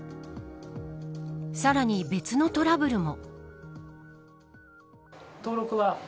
さらに別のトラブルも。